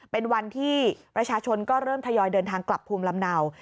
เป็นวันที่ประชาชนก็เริ่มทยอยเดินทางกลับภูมิลำเนา